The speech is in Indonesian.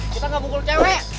kita gak pukul cewek